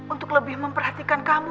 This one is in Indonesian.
untuk lebih memperhatikan kamu